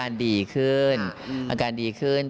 อาการดีขึ้น